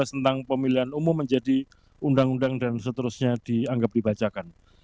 tentang pemilihan umum menjadi undang undang dan seterusnya dianggap dibacakan